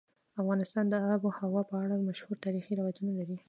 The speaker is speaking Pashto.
افغانستان د آب وهوا په اړه مشهور تاریخی روایتونه لري.